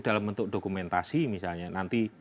dalam bentuk dokumentasi misalnya nanti